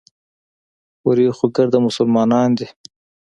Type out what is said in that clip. هورې خو ګرده مسلمانان دي.